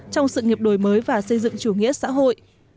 trong sự nghiệp đổi mới và xây dựng chủ nghĩa xã hội